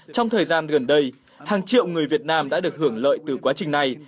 trong thời gian gần đây hàng triệu người việt nam đã được hưởng lợi từ quá trình này